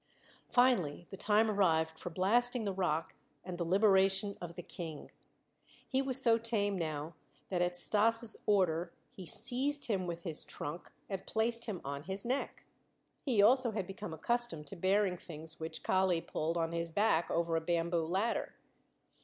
Finally the time arrived for blasting the rock and the liberation of the King. He was so tame now that at Stas' order he seized him with his trunk and placed him on his neck. He also had become accustomed to bearing things which Kali pulled on his back over a bamboo ladder.